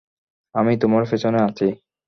আমি তোমার পেছনে আছি!